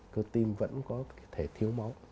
cơ tim vẫn có thể thiếu máu